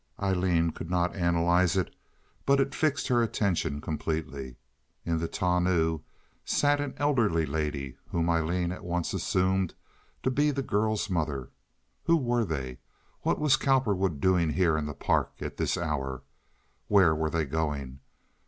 Aileen could not analyze it, but it fixed her attention completely. In the tonneau sat an elderly lady, whom Aileen at once assumed to be the girl's mother. Who were they? What was Cowperwood doing here in the Park at this hour? Where were they going?